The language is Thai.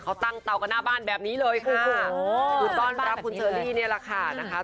เขาตั้งเตากันหน้าบ้านแบบนี้เลยค่ะคือต้อนรับคุณเชอรี่นี่แหละค่ะนะคะ